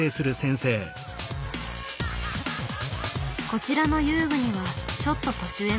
こちらの遊具にはちょっと年上の子どもたち。